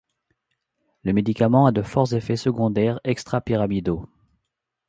Le médicament a de forts effets secondaires extrapyramidaux.